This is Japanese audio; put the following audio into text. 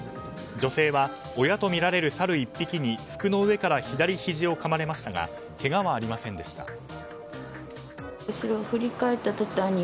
女性は親とみられるサル１匹に服の上から左ひじをかまれましたがけがはありませんでした。